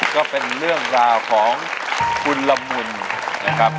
ก็เป็นเรื่องราวของคุณละมุนนะครับ